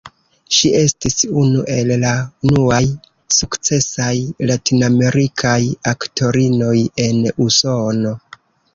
Ŝi estis unu el la unuaj sukcesaj latinamerikaj aktorinoj en Usono.